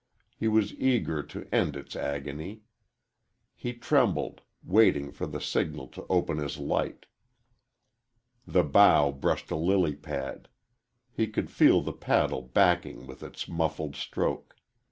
He was eager to end its agony. He trembled, waiting for the signal to open his light. The bow brushed a lily pad. He could feel the paddle backing with its muffled stroke.